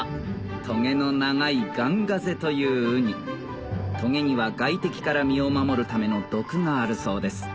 トゲの長いガンガゼというウニトゲには外敵から身を守るための毒があるそうです